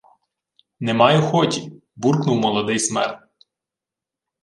— Не маю хоті, — буркнув молодий смерд.